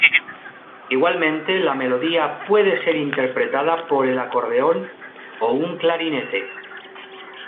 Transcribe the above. Igualmente, la melodía puede ser interpretada por el acordeón o un clarinete.